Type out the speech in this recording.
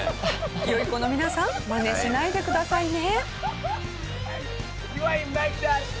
良い子の皆さんマネしないでくださいね。